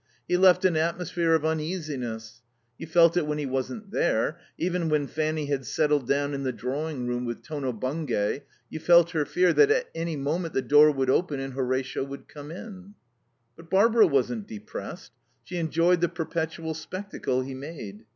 He left an atmosphere of uneasiness. You felt it when he wasn't there; even when Fanny had settled down in the drawing room with "Tono Bungay" you felt her fear that at any minute the door would open and Horatio would come in. But Barbara wasn't depressed. She enjoyed the perpetual spectacle he made.